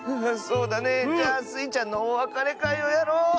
あそうだね。じゃあスイちゃんのおわかれかいをやろう。